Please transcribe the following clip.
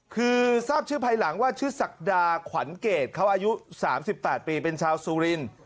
คือทราบชื่อภายหลังว่าชื่อศักดาขวัญเกรดเขาอายุ๓๘ปีเป็นชาวสุริน